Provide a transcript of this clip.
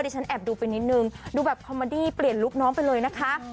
ฉันแอบดูไปนิดนึงดูแบบคอมมาดี้เปลี่ยนลุคน้องไปเลยนะคะ